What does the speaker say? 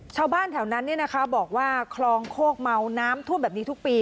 ชาวบ้านแถวนั้นบอกว่าคลองโคกเมาน้ำท่วมแบบนี้ทุกปี